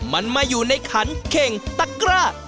มันมาอยู่ในขันเข่งตะกร้า